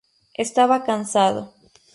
Estaba cansado".